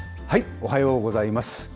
おはようございます。